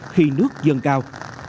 khi nước dần cao